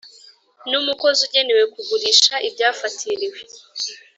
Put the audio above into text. N umukozi ugenewe kugurisha ibyafatiriwe